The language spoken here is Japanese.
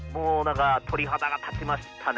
鳥肌が立ちましたね